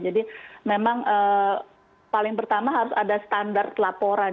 jadi memang paling pertama harus ada standar laporan